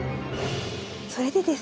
それでですね